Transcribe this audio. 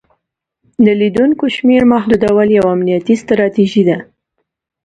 د لیدونکو شمیر محدودول یوه امنیتي ستراتیژي ده.